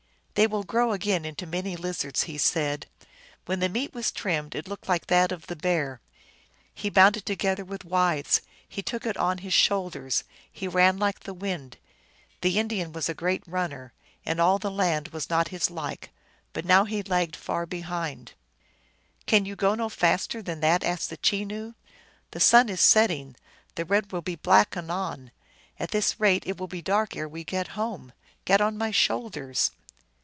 " They will grow again into many lizards," he said. When the meat was trimmed it looked like that of the bear. He bound it together with withes ; he took it en his shoul ders ; he ran like the wind ; his load was nothing. The Indian was a great runner; in all the land was not his like ; but now he lagged far behind. " Can you go no faster than that ?" asked the Che noo. " The sun is setting ; the red will be black anon. At this rate it will be dark ere we get home. Get on my shoulders."